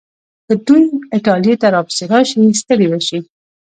که دوی ایټالیې ته راپسې راشي، ستړي به شي.